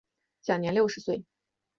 享年六十岁。